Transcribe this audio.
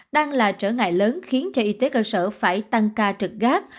đang là trở ngại lớn khiến cho y tế cơ sở phải tăng ca trực gác